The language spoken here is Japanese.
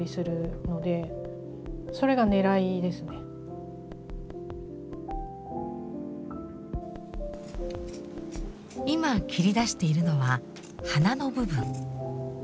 形が今切り出しているのは鼻の部分。